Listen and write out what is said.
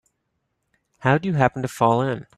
How'd you happen to fall in?